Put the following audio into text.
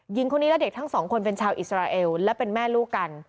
หญิงคนนี้และเด็กทั้งสองคนเป็นชาวอิสราเอลและเป็นแม่ลูกกัน